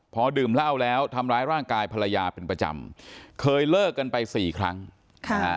พอดื่มเหล้าแล้วทำร้ายร่างกายภรรยาเป็นประจำเคยเลิกกันไปสี่ครั้งค่ะ